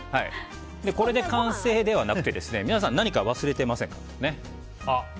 これで完成ではなくて皆さん、何か忘れてませんか？